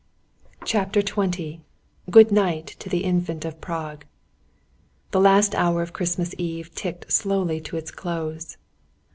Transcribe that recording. CHAPTER XX GOOD NIGHT TO THE INFANT OF PRAGUE The last hour of Christmas Eve ticked slowly to its close.